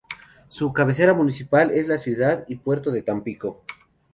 Su cabecera municipal es la ciudad y puerto de Tampico.